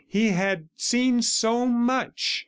He had seen so much! .